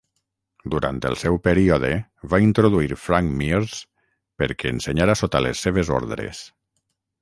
Durant el seu període va introduir Frank Mears perquè ensenyara sota les seves ordres